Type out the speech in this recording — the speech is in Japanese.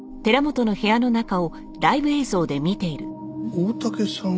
大竹さん